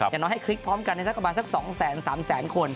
อย่างน้อยให้คลิกพร้อมกันในสักประมาณสัก๒๓แสนคน